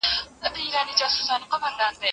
که کورنۍ ستاینه وکړي، باور نه کمېږي.